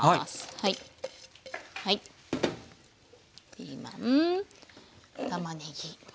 ピーマンたまねぎ